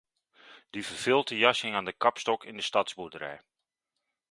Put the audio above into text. De verviltte jas hing aan de kapstok in de stadsboerderij.